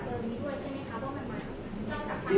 แต่ว่าไม่มีปรากฏว่าถ้าเกิดคนให้ยาที่๓๑